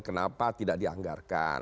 kenapa tidak dianggarkan